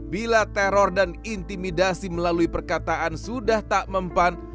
bila teror dan intimidasi melalui perkataan sudah tak mempan